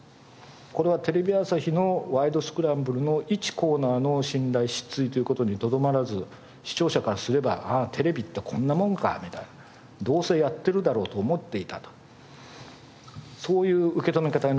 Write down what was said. これはテレビ朝日の『ワイド！スクランブル』の１コーナーの信頼失墜という事にとどまらず視聴者からすれば「ああテレビってこんなものか」みたいな「どうせやってるだろうと思っていた」とそういう受け止め方になるんだろうと思います。